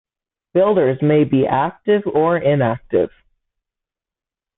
Builders may be "active or inactive".